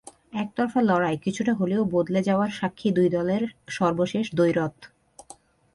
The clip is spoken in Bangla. একতরফা লড়াই কিছুটা হলেও বদলে যাওয়ার সাক্ষী দুই দলের সর্বশেষ দ্বৈরথ।